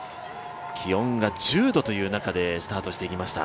気温が１０度という中でスタートしていきました。